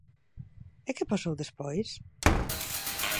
¿E que pasou despois?